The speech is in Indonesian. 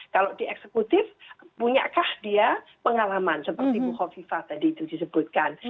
kalau di eksekutif punya kah dia pengalaman seperti bu khofifah tadi itu disebutkan